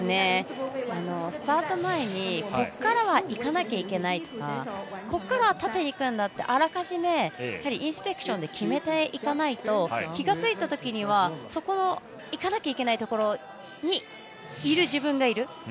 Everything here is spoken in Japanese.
スタート前にここからいかなきゃいけないとかここからは縦にいくとかインスペクションで決めていかないと気が付いたときにはいかなきゃいけないところにいる自分がいる。